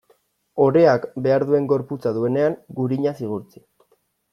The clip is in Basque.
Oreak behar duen gorputza duenean, gurinaz igurtzi.